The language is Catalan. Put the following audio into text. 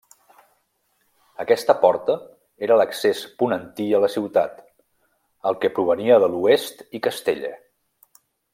Aquesta porta era l'accés ponentí a la ciutat, el que provenia de l'oest i Castella.